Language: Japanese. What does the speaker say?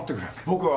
僕は。